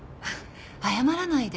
謝らないで